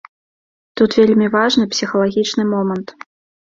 Тут вельмі важны псіхалагічны момант.